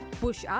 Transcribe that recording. oke turun ya